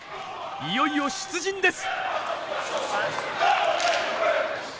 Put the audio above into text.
いよいよ出陣です！